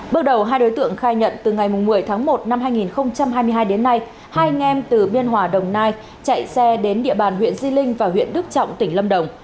bước đầu hai đối tượng khai nhận từ ngày một mươi tháng một năm hai nghìn hai mươi hai đến nay hai anh em từ biên hòa đồng nai chạy xe đến địa bàn huyện di linh và huyện đức trọng tỉnh lâm đồng